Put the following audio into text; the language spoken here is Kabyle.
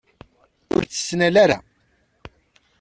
Ur tt-nettnal ara.